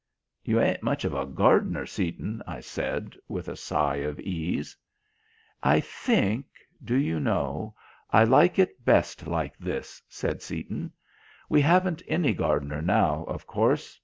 "You ain't much of a gardener, Seaton," I said, with a sigh of ease. "I think, do you know, I like it best like this," said Seaton. "We haven't any gardener now, of course.